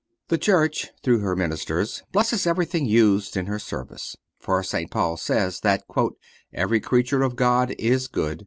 The Church, through her ministers, blesses everything used in her service; for, St. Paul says, that "Every creature of God is good